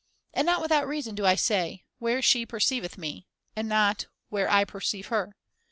And not without reason do I say ; Where she perce'tveth me, and not ' where I perceive her.'